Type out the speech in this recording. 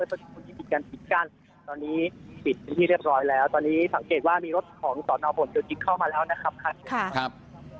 ตอนนี้ปิดพื้นที่เรียบร้อยแล้วตอนนี้สังเกตว่ามีรถของต่อหน้าผลจะจิ๊กเข้ามาแล้วนะครับ